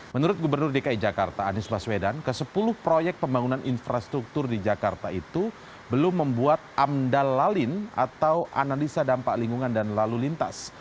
menurut gubernur dki jakarta anies baswedan ke sepuluh proyek pembangunan infrastruktur di jakarta itu belum membuat amdal lalin atau analisa dampak lingkungan dan lalu lintas